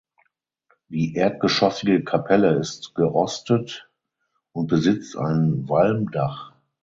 Die erdgeschossige Kapelle ist geostet und besitzt ein Walmdach.